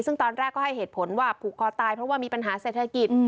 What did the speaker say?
ซึ่งตอนแรกก็ให้เหตุผลว่าผูกคอตายเพราะว่ามีปัญหาเศรษฐกิจ